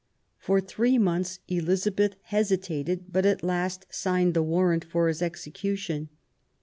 For three months Elizabeth hesitated, but at last signed the warrant for his execution.